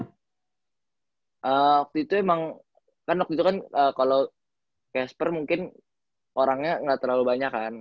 waktu itu emang kan waktu itu kan kalau casper mungkin orangnya nggak terlalu banyak kan